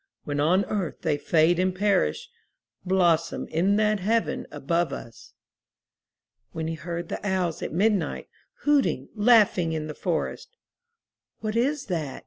When on earth they fade and perish, Blossom in that heaven above us/* When he heard the owls at midnight, Hooting, laughing in the forest, ''What is that?"